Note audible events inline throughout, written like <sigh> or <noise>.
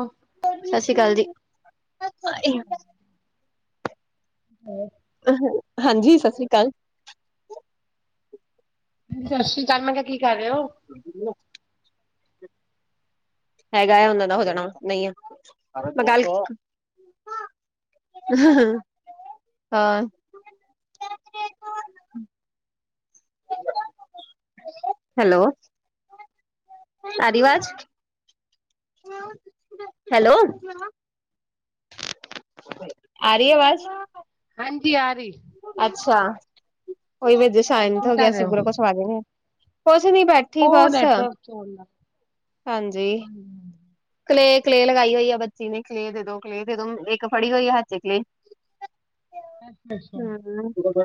ਓ ਸ਼ਸ਼ੀ ਕਾਲ ਜੀ। ' <unintelligible> ਹਾਂਜੀ, ਸ਼ਸ਼ਰੀ ਕਾਲ। ਸ਼ਸ਼ੀ ਕਾਲ। ਮੈਂ ਕਿਹਾ ਕੀ ਕਰ ਰਹੇ ਹੋ? ' <unintelligible> ਹੈਗਾ ਉਹਨਾ ਦਾ ਹੋ, ਜਾਣਾ ਨਹੀਂ ਆ ਮੈਂ ਗੱਲ ਹਮ <unintelligible> ਹਾਂ। ਹੈਲੋ, ਆ ਰਹੀ ਵਾਜ਼? ਹੈਲੋ। ਆ ਰਹੀ ਆਵਾਜ਼? ਹਾਂਜੀ, ਆ ਰਹੀ। ਅੱਛਾ, ਉਹੀ ਵੇ ਜ ਸ਼ਾਇਨਤ ਕੀ ਹੋ ਗਿਆ ਕਰ ਰਹੇ ਅਸੀਂ ਪੂਰਾ ਕੁਛਵਾ ਦੇਣੇ ਹ ਕੁਛ ਨ ਬੈਠ ਠੀ ਉਹ ਬਸ। ਨੈਟਵਰਕ ਚੋਂਦਾ ਹਾਂਜੀ। ਕਲੇਅ- ਕਲੇਅ, ਲਗਾਈ ਹੋਈ ਆ ਬੱਚੀ ਨੇ। ਕਲੇਅ ਦੇ ਦੋ ਕਲੇਅ ਦੇ ਦੋ ਇੱਕ ਫੜੀ ਹੋਈ ਹਥੇ ਕਲੇਅ। ਅੱਛਾ। ਹੁਣ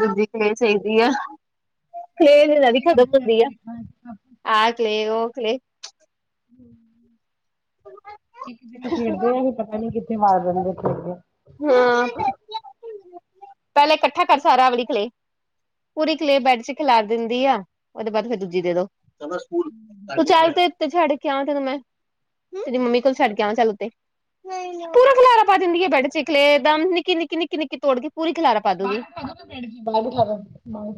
ਦੂਜੀ ਕਲੇਅ ਚਾਹੀਦੀ ਆ। ਕਲੇਅ ਨਾਂ ਦੀ ਮੇਰਾ ਖਤਮ ਬੱਚਿਆਂ ਹੁੰਦੀ ਨੂੰ ਆ। ਵੇਖਣਾ ਆਹ ਕਲੇ ਉਹ ਕਲੇਹ। ਇੱਕ ਦਿਨ ਖੇਡਦੇ ਆ ਵੀ ਪਤਾ ਨੀ ਕਿ- ਗੁੰਮਾ ਦਿੰਦੇ ਨੇ ਖੇਡ ਦੇ ਹਾਂ <unintelligible> ਪਹਿਲੇ ਇਕੱਠਾ ਕਰ ਸਾਰਾ ਆਵਦੀ ਕਲੇਅ। ਪੂਰੀ ਕਲੇਅ ਬੈਡ ਚ ਖਿਲਾਰ ਦਿੰਦੀ ਆ। ਉਹਦੇ ਬਾਅਦ ਫਿਰ ਦੂਜੀ ਦੇ ਦੋ। ਤੂੰ ਚੱਲ ਤੇ ਛੱਡ ਕੇ ਆਵਾਂ ਤੇੈਨੂੰ ਮੈਂ। ਤੇਰੀ ਮੰਮੀ ਕੋਲ ਛੱਡ ਕੇ ਆਵਾਂ ਚੱਲ ਉੱਤੇ। ਪੂਰਾ ਖੁਲਾਰਾ ਪਾ ਦਿੰਦੀ ਹੈ ਬੈਠ 'ਚ ਏ ਕਲੇਅ ਦਾ ਨਿੱਕੀ, ਨਿੱਕੀ, ਨਿੱਕੀ, ਨਿੱਕੀ ਤੋੜ ਕੇ ਪੂਰੀ ਖਲਾਰਾ ਬਾਹਰ ਬਠਾ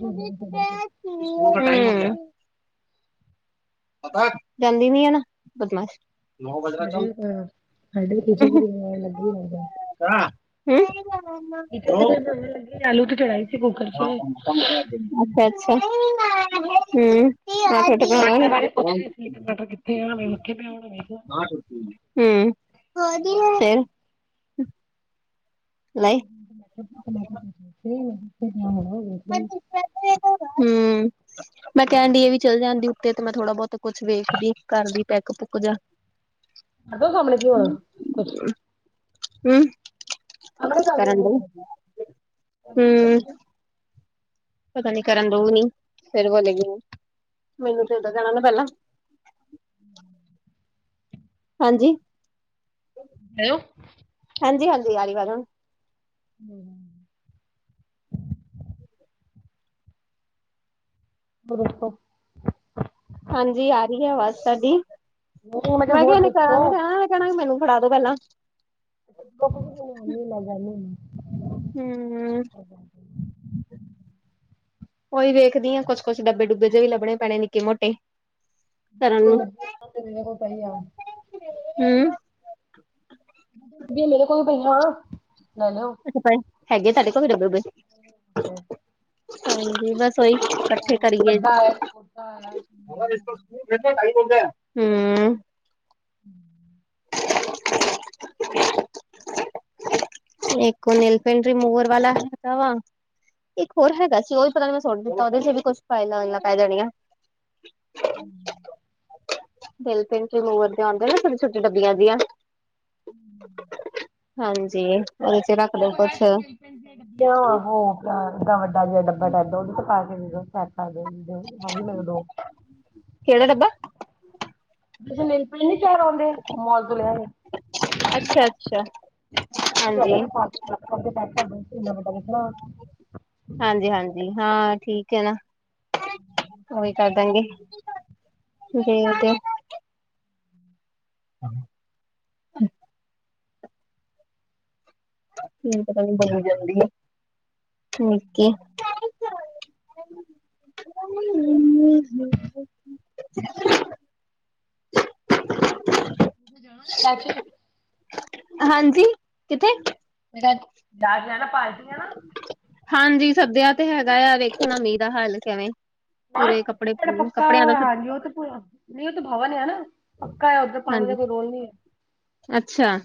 ਹੂੰ <unintelligible> <unintelligible> ਜਾਂਦੀ ਨੀ ਆ ਨਾ ਬਦਮਾਸ਼। <unintelligible> <inaudible> ਕਿਚਨ ਦੇ ਵਿੱਚ ਰੋਣ ਲੱਗੀ ਹੋਈ ਹੈ। ਆਲੂ ਤੇ ਚੜਾਈ ਸੀ ਕੁੱਕਰ ਅੱਛਾ- ਚ ਅੱਛਾ, ਹਮ। ਟਮਾਟਰ ਬਾਰੇ ਪੁੱਛ ਰਹੀ ਸੀ ਟਮਾਟਰ <unintelligible> ਕਿੱਥੇ ਆ ਮੈਂ ਮੱਖੇ ਪਿਆ ਹੋਣਾ ਵੇਖ ਲਾ ਹਮ ਫਿਰ ਹਮ। <inaudible> ਹਮ ਮੈਂ ਕਹਿਣ ਡਈ ਇਹ ਵੀ ਚਲ ਜਾਂਦੀ ਉੱਤੇ ਤੇ ਮੈਂ ਥੋੜਾ ਬਹੁਤ ਕੁੱਛ ਵੇਖਦੀ ਘਰ ਦੀ ਪੈਕ ਪੁੁੱਕ ਜਾ। ਕਰਦੋ ਸਾਹਮਣੇ ਕੀ ਹੋਣਾ ਕੁਛ। ਹਮ ਸਾਹਮਣੇ ਕਰ ਕਰਨ ਦੋ ਹਮ ਪਤਾ ਨੀ ਕਰਨ ਦਊ ਨੀ ਫਿਰ ਬੋਲੇ ਉ। ਮੈਨੂੰ ਤੇ ਦਾਂ ਜਾਣਾ ਨਾ ਪਹਿਲਾਂ। ਹਮ। ਹਾਂਜੀ। ਹੈਲੋ। ਹਾਂਜੀ ਹਾਂਜੀ। ਆ ਰਹੀ ਵਾਜ਼। ਹਮ। <unintelligible> ਹਾਂਜੀ ਆ ਰਹੀ ਐ ਆਵਾਜ ਤੁਹਾਡੀ। ਨਹੀਂ ਮੈਂ ਹੋਰ ਕਿਹਾ ਇਹਨੇ ਦੱਸੋ ਕਰਨ ਨੀ ਦੇਣਾ। ਕਹਿਣਾ ਮੈਨੂੰ ਫੜਾ ਦੋ ਪਹਿਲਾਂ <unintelligible> ਹਮ। <unintelligible> ਉਹੀ ਵੇਖਦੀ ਆ, ਕੁਛ-ਕੁਛ ਡੱਬੇ-ਡੁੱਬੇ ਜੇ ਵੀ ਲੱਭਣੇ ਪੈਣੇ, ਨਿੱਕੇ ਮੋਟੇ। ਕਰਨ ਪਿੰਡ ਮੇਰੇ ਕੋਲ <unintelligible> <unintelligible> ਹਮ। ਵੀ ਮੇਰੇ ਕੋਲ, <unintelligible> ਪਹਿਲਾਂ ਲੈ-ਲੋ। ਅੱਛਾ ਭਾਈ ਹੈਗੇ, <unintelligible> ਤੁਹਾਡੇ ਕੋ ਵੀਰੱ ਬ ਹਮ। ਹਾਂਜੀ, ਬੱਸ ਉਹੀ ਇਕੱਠੇ ਦੋ ਕਰੀਏ। ਵੱਡਾ ਹੈ ਛੋਟਾ ਹੈ ਹਮ। <inaudible> ਇੱਕੋ ਉਹ ਨੇਲ ਪੇਟ ਰੀਮੂਵਰ ਵਾਲਾ ਹੈਗਾ ਵਾ। ਇੱਕ ਹੋਰ ਹੈਗਾ ਸੀ, ਉਹ ਵੀ ਪਤਾ ਨੀ ਮੈਂ ਸੋਨੂੰ ਦਿੱਤਾ, ਉਹਦੇ 'ਚ ਵੀ ਕੁਛ ਫਾਈਲਾਂ ਪੈ ਜਾਣੀਆਂ। ਹਮ <inaudible> ਨੇਲ ਪੇਂਟ ਰੀਮੂਵਰ ਦੇ ਆਉਂਦੇ ਨਾ ਛੋਟੇ-ਛੋਟੇ ਡੱਬੀਆਂ ਜੀਆਂ ਹਮ <inaudible> ਹਾਂਜੀ। ਉਹਦੇ ਚ ਰੱਖ ਦੋ ਕੁਛ <unintelligible> <unintelligible> ਕਿਹੜਾ ਡੱਬ? <unintelligible> ਆਉਂਦੇ ਮੌਲ ਤੋਂ ਲਿਆ। ਅੱਛਾ ਅੱਛਾ ਹਾਂਜੀ <unintelligible> ਹਾਂਜੀ-ਹਾਂਜੀ, ਹਾਂ ਠੀਕ ਹੈ ਨਾ। ਉਹੀ ਕਰ ਦੇਗੇ, ਜੇ ਤੇ ਹਾਂ। <unintelligible> ਠੀਕ <unintelligible> <unintelligible> ਜਾਣਾ <unintelligible> ਹਾਂਜੀ, ਕਿਥੇ? <unintelligible> ਨਾ ਪਾਰਟੀਆਂ ਨਾ ਹਾਂਜੀ ਸੱਦਿਆ ਤੇ ਹੈਗਾ ਆ, ਵੇਖਣ ਮੀਂਹ ਦਾ ਹੱਲ ਕਿਵੇਂ। ਪੂਰੇ ਕੱਪੜੇ <unintelligible> ਪੱਕਾ ਕੱਪੜਿਆਂ ਦਾ ਹਾਂਜੀ ਉਹ ਤੇ ਨਹੀਂ ਉਹ ਤੇ ਭਵਨ ਆ ਨਾ ਪੱਕਾ ਹੈ ਉਧਰ ਪਾਣੀ ਦਾ ਹਾਂਜੀ, ਕੋਈ ਰੋਲ ਨਹੀਂ ਅੱਛਾ,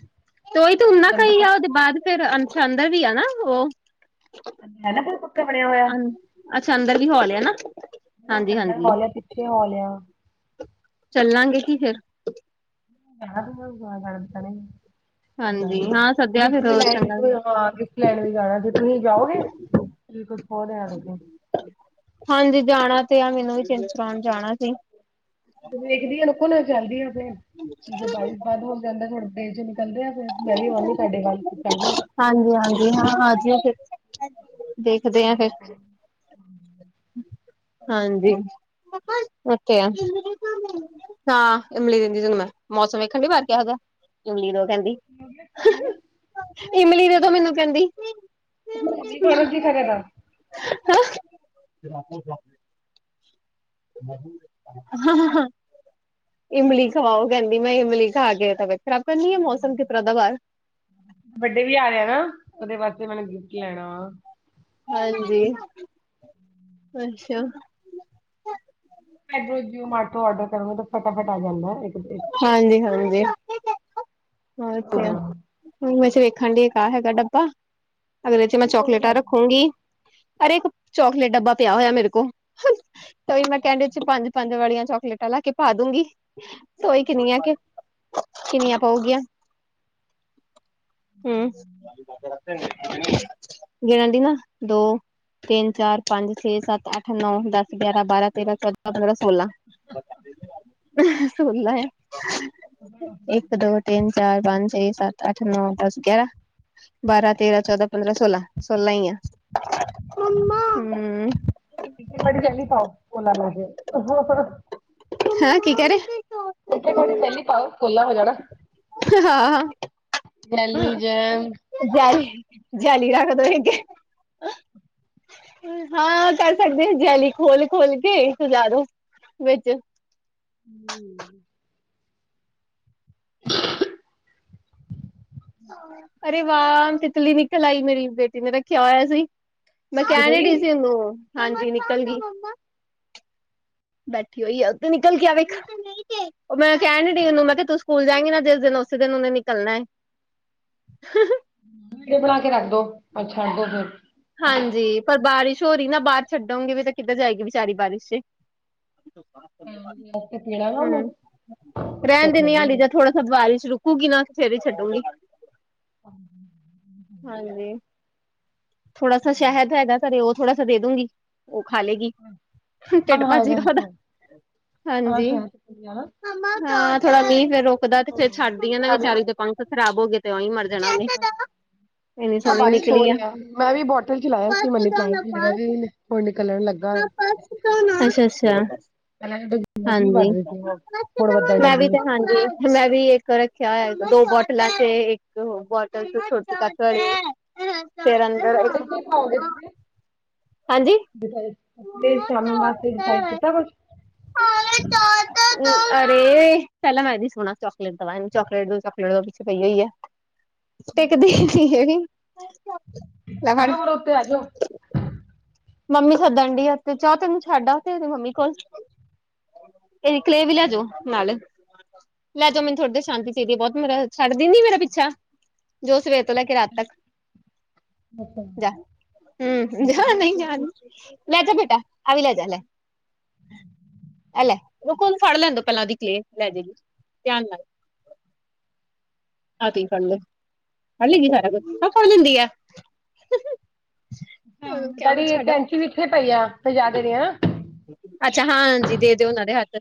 ਤੇ ਉਹੀ ਤੇ ਓਨਾ ਹੈ ਕ ਅੰਦਰ ਹੀ ਆ, ਪੱਕਾ ਉਹਦੇ ਬਾਅਦ ਫੇਰ, ਅੰਸ਼ ਅੰਦਰ ਵੀ ਆ ਨਾ ਉਹ। <unintelligible> ਅਨ ਅੱਛਾ ਅੰਦਰ ਦੀ ਖਿਵਾਲਿਆ ਹੈਨਾ। ਵੱਡਾ ਹਾਲ ਆ, ਪਿੱਛੇ ਹਾਲ ਆ। ਚਲਾਗੇ ਜੀ ਫਿਰ। <unintelligible> ਹਾਂਜੀ ਹਾਂ ਸੱਦਿਆ ਗਿਫਟ ਫੇਰ ਵੀ ਲੈ ਚੰਗਾ ਗਿ ਲੈਂਡ ਵੀ ਜਾਣਾ ਜੇ ਤੁਸੀਂ ਜਾਓਗੇ। ਕੁਛ ਹੋ <unintelligible> ਹਾਂਜੀ ਜਾਣਾ ਤੇ ਆ, ਮੈਨੂੰ ਵੀ ਚਿੰਤ ਕਰਾਉਣ ਜਾਣਾ ਸੀ। ਵੇਖਦੀ ਆ ਨੁਕੋ ਨਾਲ ਚੱਲਦੀ ਆ ਫਿਰ, <unintelligible> ਜਾਈ ਬੰਦ ਹੋ ਜਾਂਦਾ ਫਿਰ <unintelligible> ਹਾਂਜੀ-ਹਾਂਜੀ ਹਾਂ, ਆਜੀਓ ਫਿਰ ਦੇਖਦੇ ਆ ਫਿਰ <inaudible> ਹਾਂਜੀ, <unintelligible> ਓਕੇ ਆ। ਹਾਂ ਇਮਲੀ ਦਿੰਦੀ ਤੈਨੂੰ ਮੈਂ, ਮੌਸਮ ਵੇਖਿਆ ਨੀ ਬਾਹਰ ਕਿਹੋ ਜਿਹਾ, ਇਮਲੀ ਨੂੰ ਕਹਿੰਦੀ। ' <unintelligible> ਇਮਲੀ ਦੇ ਦੋਂ ਮੈਨੂੰ ਕਹਿੰਦੀ ਮੈਂ ਵੀ ਖਾਣਾ ਕੀ ਕਰੇਗਾ ' <unintelligible> ' <unintelligible> ਇਮਲੀ ਖਵਾਓ ਕਹਿੰਦੀ, ਮੈਂ ਇਮਲੀ ਖਾ ਕੇ ਤਾਂ ਖਰਾਬ ਤਾਂ ਨਹੀਂ ਆ। ਮੌਸਮ ਕਿਸ ਤਰ੍ਹਾਂ ਦਾ ਬਾਹਰ ਵੱਡੇ ਵੀ ਆ ਰਿਹਾ ਨਾ, ਉਹਦੇ ਵਾਸਤੇ ਮੈਨੂੰ ਗਿਫਟ ਲੈਣਾ ਹਾਂਜੀ। ਅੱਛਾ। ' <unintelligible> ' ਐਮਟੋ ਆਰਡਰ ਕਰੋ ਤਾਂ ਫਟਾਫਟ ਆ ਜਾਂਦਾ, ਇੱਕ-ਇੱਕ ਹਾਂਜੀ-ਹਾਂਜੀ ਹੋ ਤੇ ਐ, ਵੈਸੇ ਵੇਖਣ ਡਿਆ। ਆ ਹੈਗਾ ਡੱਬਾ, ਅਗਲੇ 'ਚ' ਮੈਂ ਚੌਕਲੇਟਾਂ ਰੱਖੂਗੀ। ਅਰੇ ਇੱਕ, ਚੋਕਲੇਟ ਡੱਬਾ ਪਿਆ ਹੋਇਆ। ਮੇਰੇ ਕੋ ਉਹੀ ਮੈਂ ਕਹਿੰਡੀ 'ਚ' ਪੰਜ-ਪੰਜ ਵਾਲੀਆਂ ਚੌਕਲੇਟਾਂ ਲਿਆ ਕੇ ਪਾ ਦੂੰਗੀ। ਊਹੀ ਕਿੰਨੀਆਂ ਕ ਕਿੰਨੀਆ ਪਊਗੀਆਂ। ਹਮ, ਗਿਣ ਦੀ ਨਾ ਦੋ ਤਿੰਨ, ਚਾਰ, ਪੰਜ, ਛੇ, ਸੱਤ, ਅੱਠ, ਨੌਂ, ਦੱਸ, ਗਿਆਰਾਂ, ਬਾਰਾਂ, ਤੇਰਾਂ, ਚੌਦਾਂ, ਪੰਦਰਾਂ, ਸੋਲਾਂ ਸੁਲਾ ਇੱਕ, ਦੋ ਤਿੰਨ, ਚਾਰ, ਪੰਜ, ਛੇ, ਸੱਤ, ਅੱਠ, ਨੌ, ਦਸ, ਗਿਆਰਾਂ ਬਾਰਾਂ, ਤੇਰਾਂ, ਚੌਦਾਂ, ਪੰਦਰਾਂ, ਸੋਲਾਂ, ਸੋਲਾਂ ਹੀ ਆ। ' <inaudible> ' <unintelligible> ਹੈਂਅ ਕੀ ਕਹਿ ਰਹੇ? ਉੱਥੇ ਤੁਹਾਡੀ, ਚਹਿਲੀ ਪਾਓ, ਪੋਲਾ ਹੋ ਜਾਣਾ। ਗੈਲੀ ਜੈਮ ਜੇਲੀ-ਜੇਲੀ ਰੱਖ ਦੇਣਗੇ। ਹਾਂ, ਕਰ ਸਕਦੇ ਆ ਜਿਆਲੀ ਖੋਲ-ਖੋਲ ਕੇ ਸੁਜਾ ਦੋ, ਵਿੱਚ ਹਮ। ਅਰੇ ਵਾਹ, ਤਿਤਲੀ ਨਿਕਲ ਆਈ, ਮੇਰੀ ਬੇਟੀ ਨੇ ਰੱਖਿਆ ਹੋਇਆ ਸੀ‌। ਮੈਂ ਨਿਕਲ ਗਈ ਕੈਨਡਈ ਸੀ ਉਹਨੂੰ, ਹਾਂਜੀ ਨਿਕਲ ਗੀ। ਬੈਠੀ ਹੋਈ ਆ, ਉਤੇ ਨਿਕਲ ਕੇ ਆ ਵੇੇਖ ਮੈਂ ਕਹਿਣ ਡਈ ਉਹਨੂੰ ਮੈਂ ਕਿਹਾ ਤੂੰ ਸਕੂਲ ਜਾਏਗੀ ਨਾ। ਜਿਸ ਦਿਨ ਉਸੇ ਦਿਨ ਉਹਨੇ ਨਿਕਲਣਾ ਏ। ' <inaudible> ਵੀਡੀਓ ਬਣਾ ਕੇ ਰੱਖ ਦੋ, ਆ ਛੱਡ ਦੋ ਫਿਰ ਹਾਂਜੀ, ਪਰ ਬਾਰਿਸ਼ ਹੋ ਰਹੀ ਨਾ ਬਾਹਰ ਛੱਡੋਗੇ ਵੀ ਤਾਂ ਕਿੱਧਰ ਜਾਏਗੀ ਵਿਚਾਰੀ ਬਾਰਿਸ਼ 'ਚ' ਵਾਸਤੇ ਪੀਣਾ ਨਾ ਉਹਨੂੰ ਹਮ, ਰਹਿਣ ਭੁੱਖ ਦਿੰਨੀ ਲੱਗੀ ਆ ਹਲੇ ਹੋਣੀ ਤਾਂ ਥੋੜਾ ਟਾਇਮ ਬਾਰਸ਼ ਰੁਕੋ ਘੂ ਕਿ ਨਾ ਫਿਰ ਹੀ ਛੱਡੂਗੀ। ' <inaudible> ਹਾਂਜੀ। ਥੋੜਾ ਸਾ ਸ਼ਹਿਦ ਹੈਗਾ। ਘਰੇ ਉਹ ਥੋੜਾ ਸਾ ਦੇ ਦੂੰਗੀ। ਉਹ ਖਾ ਲਏਗੀ, ਹਾਂ ਢਿੱਡ ਮੈਂ ਆਇਆ ਭਾਜੇਗਾ ਉਹਦਾ, ਹਾਂ ਆ ਹਾਂਜੀ। ਸ਼ਹਿਰ ਤੇ ਪੀ ਜਾਣਾ ਹਾਂ, ਥੋੜਾ ਮੀਹ ਫੇਰ ਰੁਕਦਾ ਤੇ ਹਾਂ ਫੇਰ ਛੱਡਦੀ ਆ ਨਾ ਮੈਂ ਵੀ ਵਿਚਾਰੀ ਦੇ ਪੰਖ ਖ਼ਰਾਬ ਹੋ ਗਏ ਤੇ ਹੀ ਮਰ ਜਾਣਾ ਉਹਨੇ ਇੰਨੀ ਆ ਸੋਹਣੀ ਬਾਰਿਸ਼ ਹੋ ਨਿਕਲੀ ਆ। ਰਹੀ ਮੈਂ ਵੀ ਬੋਟਲ ਚਲਾਇਆ ਸੀ। ਮਨੀ ਪਲਾਂਟ ਮੇਰਾ ਵੀ ਹੁਣ ਨਿਕਲਣ ਲੱਗਾ ਐ। ਅੱਛਾ-ਅੱਛਾ ਮੌਸਮੀ ਹਾਂਜੀ, ਵੱਧ ਰਹੀ ਸੀ ਹੁਣ ਹੁਣ ਵੱਧਣ ਮੈਂ ਵੀ ਲੱਗੀ ਤੇ ਹਾਂਜੀ ਮੈਂ ਵੀ ਇੱਕ ਰੱਖਿਆ ਹੋਇਆ‌। ਦੋ ਬੋਤਲਾਂ ਤੇ ਇੱਕ ਬੋਟਲ ਛੋਟੇ ਕੱਪ ਵਾਲੀ ਫਿਰ ਤੇ ਅੰਦਰ ਕੱਪੜੇ <unintelligible> ਹਾਂਜੀ। ਸ਼ਾਮੀ ਵਾਸਤੇ ਬਾਈ ਕੀਤਾ ਕੁਛ। ਅਰੇ ਪਹਿਲਾਂ ਮੈਂ ਇਦੀ ਸੁਣਾ ਚੋਕਲੇਟ ਦਾ ਵ ਚੋਕਲੇਟ ਤੋਂ ਚੋਕਲੇਟ ਤੋਂ ਪਿੱਛੇ ਪਈ ਹੋਈ ਐ। <inaudible> ਟਿਕ ਦੀ ਹੈਗੀ, ਲੈਣ ਫੜ। ਉੱਤੇ‌ ਆ ਜੋ। ਮੰਮੀ ਸੱਦਣ ਡਈ ਆ ਤੇ ਚਾਹ ਤੈਨੂੰ ਛੱਡ ਆ ਤੇਰੀ ਮੰਮੀ ਕੋਲ। ਇਹ ਦੀ ਕਲੇ ਵੀ ਲੈਜੋ ਨਾਲ। ਲੈ ਜਾਓ। ਮੈਨੂੰ ਥੋਹਾੜੀ ਦੇਰ ਸ਼ਾਂਤੀ ਚਾਹੀਦੀ, ਬਹੁਤ ਮੇਰਾ ਛੱਡਦੀ ਨੀ ਮੇਰਾ ਪਿੱਛਾ। ਸਵੇਰ ਲੈ ਕੇ ਰਾਤ ਤੱਕ, ਜਾ ਹਮ ਜਾ ਨਹੀਂ। ਲੈਜਾ ਬੇਟਾ ਆਵੀ ਲੈਜਾ ਲੈ। ਐ ਲੈ ਰੁਕੋ, ਉਹਨੂੰ ਫੜ ਲੈਂਦਾ ਪਹਿਲਾਂ ਉਹਦੀ ਕਲੇ ਲੈ ਜੇ ਗਈ ਧਿਆਨ ਨਾਲ। ਹੱਥ ਚ ਫੜਲੋ, ਫੜ ਲਗੀ ਸਾਰਾ ਕੁਛ ਆਹ ਫੜ ਲੈਂਦੀ ਆ। ਉਹਨੂੰ ਕਿਆ ਛੱਡ ਡੇਡੀ ਆਓ। ਕੈਂਚੀ ਇਥੇ ਪਈ ਆ ਮਜਾਦੇ ਦੀ ਐ। ਅੱਛਾ ਹਾਂ ਹਾਂਜੀ, ਦੇ ਦਿਓ ਉਹਨਾਂ ਦੇ ਹੱਥ।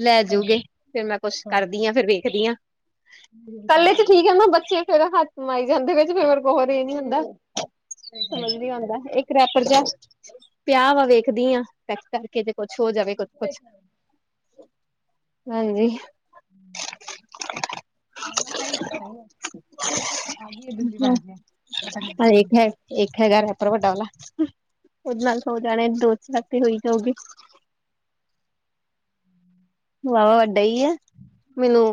ਲੈ ਹਾਂਜੀ ਜੂਗੇ, ਫਿਰ ਮੈਂ ਕੁੱਛ ਹਾਂਜੀ ਕਰਦੀ ਆ, ਫਿਰ ਵੇਖਦੀ ਆ। ਜ਼ਰੂਰ ਇਕੱਲੇ ਚ ਭੇਜਣਾ। ਠੀਕ ਏ, ਨਾ ਬੱਚੇ ਫੇਰ ਹੱਥ ਮਾਈ ਜਾਂਦੇ ਫਿਰ ਬਰ ਇਹ ਨੀ ਹੁੰਦਾ, ਹੂੰ ਸਮਝ ਨੀ ਆਉਦਾ ਇੱਕ ਕਰੈਪਰ ਜਹਾ। ਪਿਆ ਵਾ ਵੇਖਦੀ ਆ। ਕਰਕੇ ਜੇ ਕੁਛ ਹੋ ਜਾਵੇ ਕੁਛ-ਕੁਛ। ਹਾਂਜੀ। ਮ ਆ ਗਈ ਹੈ <inaudible> ਆ ਗਈ ਆ ਜੁਲੀ ਵੜ ਕੇ ਬਟਕ ਮਟਕ ਇੱਕ ਹੈ ਇੱਕ ਹੈਗਾ ਰੈਪਰ ਵੱਡਾ ਆਲਾ। ਉਹਦੇ ਨਾਲ ਹੋੋ ਜਾਣੇ ਦੋ ਚਲਾਤੀ ਹੋਈ ਜਾਊ ਗਈ। ਵਾਹਵਾ ਵੱਡਾ ਏ। ਮੈਨੂੰ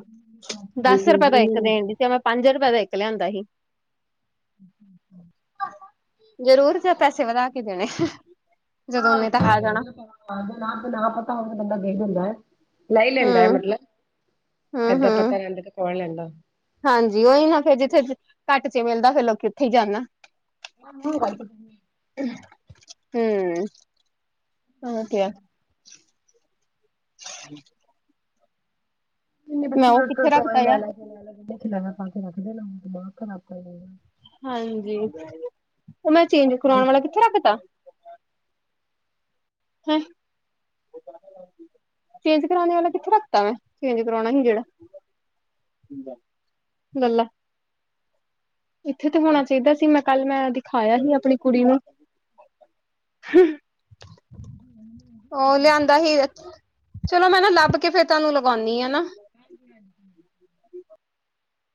ਦਸ ਰੁਪਏ ਤਾਂ ਇੱਕ ਦੇਣ ਦੇ ਮੈਂ। ਪੰਜ ਰੁਪਏ ਦਾ ਇੱਕ ਲਿਆਂਦਾ ਸੀ। <inaudible> ਜ਼ਰੂਰ ਜਾਂ ਪੈਸੇ ਵਧਾ ਕੇ ਦੇਣੇ, ਜਦੋਂ ਉਹਨੇ ਤਾਂ ਆ ਜਾਣਾ। ਹਾ ਤੇ ਨਾ ਪਤਾ ਲੱਗਦਾ ਬੰਦਾ ਗਿਰ ਜਾਂਦਾ ਏ। ਲੈ ਲੈਂਦਾ ਹੂੰ ਹੂੰ ਮਤਲਬ ਏਦਾਂ ਹੂੰ ਪਤਾ ਲੈਦਾ ਤੇ ਕੋਣ ਲੈਂਦਾ। ਹਾਂਜੀ, ਉਹੀ ਨਾ ਫੇਰ ਜਿੱਥੇ ਘੱਟ ਚ ਮਿਲਦਾ, ਫਿਰ ਲੋਕੀ ਉੱਥੇ ਹੀ ਜਾਣਾ। <unintelligible> ਹਮ ਹਮ ਕਿਹਾ ਆ। <unintelligible> ਮੈਂ ਬੱਚੇ ਉਹ ਤਾ ਕਿੱਥੇ ਟੋਆਏ ਰੱਖਤਾ ਆ ਲੈ-ਲੈ ਕੇ ਲੈ-ਲੈ ਪਾ ਕੇ ਰੱਖ ਲੈਣਾ ਦਿਮਾਗ ਖਰਾਬ ਕਰ ਲੈਣਾ। ਹਾਂਜੀ, ਉਹ ਮੈਂ ਚੇਂਜ ਕਰਵਾਣ ਵਾਲਾ ਕਿੱਥੇ ਰੱਖ ਤਾਂ। <unintelligible> ਚੇਜ ਕਰਾਣੇ ਵਾਲਾ ਕਿੱਥੋਂ ਰੱਖਤਾ ਮੈਂ ਚੇਜ ਕਰਾਉਣਾ ਹੀ ਜਿਹੜਾ। ਪੀਂਦਾ। ਇੱਥੇ ਤੇ ਹੋਣਾ ਚਾਹੀਦਾ ਸੀ, ਮੈਂ ਕੱਲ ਮੈਂ ਦਿਖਾਇਆ ਹੀ ਆਪਣੀ ਕੁੜੀ ਨੂੰ। <unintelligible> ਉਹ ਲਿਆਂਦਾ ਹੀ, ਚਲੋ ਮੈਂ ਨਾ ਲੱਭ ਕੇ ਫੇਰ ਤੁਹਾਨੂੰ ਲਗਾਉਨੀ ਆ ਨਾ। ਹਾਂਜੀ-ਹਾਂਜੀ।